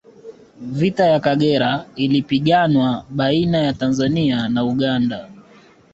vita ya Kagera ilipiganwa baina ya tanzania na uganda